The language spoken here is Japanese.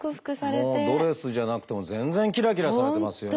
ドレスじゃなくても全然キラキラされてますよね。